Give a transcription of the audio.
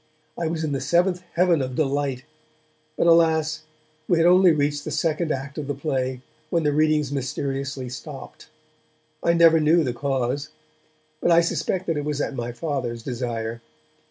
I was in the seventh heaven of delight, but alas! we had only reached the second act of the play, when the readings mysteriously stopped. I never knew the cause, but I suspect that it was at my Father's desire.